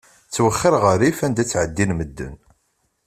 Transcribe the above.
Ttwexxir ɣer rrif anda ttɛeddin medden.